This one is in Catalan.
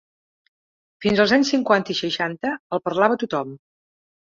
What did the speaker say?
Fins als anys cinquanta i seixanta, el parlava tothom.